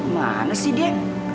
mana sih dia